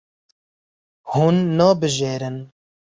Hûn nabijêrin.